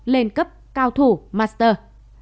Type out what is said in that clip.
lên cấp cao thủ master